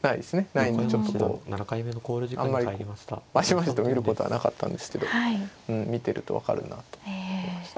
ないのでちょっとこうあんまりまじまじと見ることはなかったんですけどうん見てると分かるなと思いました。